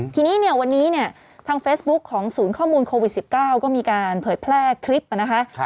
ทีนี้เนี่ยวันนี้เนี่ยทางเฟซบุ๊คของศูนย์ข้อมูลโควิด๑๙ก็มีการเผยแพร่คลิปนะคะ